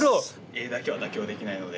絵だけは妥協できないので。